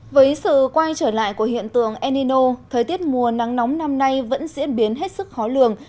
với sự quay trở lại của hiện tượng enino thời tiết mùa nắng nóng năm nay vẫn diễn biến hết sức khó lường